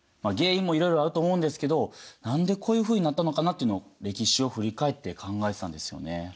原因もいろいろあると思うんですけど何でこういうふうになったのかなっていうのを歴史を振り返って考えてたんですよね。